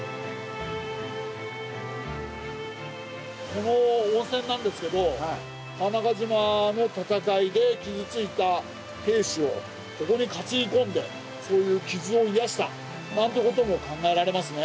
この温泉なんですけど川中島の戦いで傷ついた兵士をここに担ぎ込んでそういう傷を癒やしたなんてことも考えられますね。